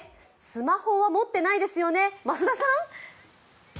スマホは持ってないですよね、増田さん？